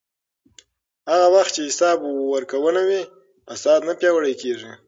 هغه وخت چې حساب ورکونه وي، فساد نه پیاوړی کېږي.